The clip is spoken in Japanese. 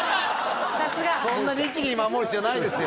さすがそんな律義に守る必要ないですよ